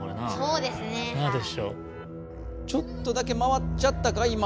ちょっとだけ回っちゃったか今。